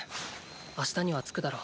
明日には着くだろう。